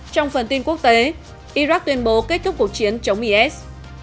trong phần tin quốc tế iraq tuyên bố kết thúc cuộc chiến chống is